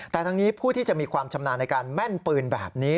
แต่ทั้งนี้ผู้ที่จะมีความชำนาญในการแม่นปืนแบบนี้